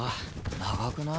長くない？